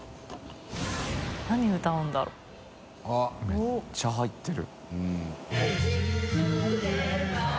めっちゃ入ってる。）